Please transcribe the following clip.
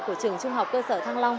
của trường trung học cơ sở thăng long